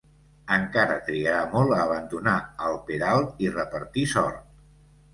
Encara trigarà molt a abandonar el peralt i repartir sort.